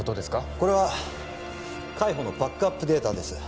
これは海保のバックアップデータです